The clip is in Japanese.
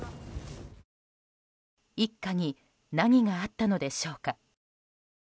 一家に何があったのでしょうか。